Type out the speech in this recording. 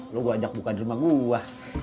lo gua ajak buka di rumah gua